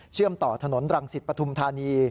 เชื่อมต่อถนนรังสิตปทุมธานี